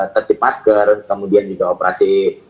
tertip masker kemudian juga operasi